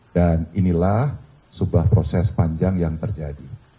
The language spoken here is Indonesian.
dan inilah sebuah proses panjang yang terjadi